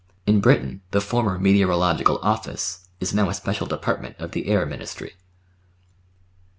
In Britain the former Meteorological Office is now a special department of the Air Ministry.